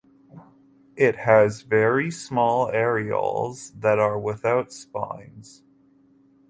It has very small areoles that are without spines.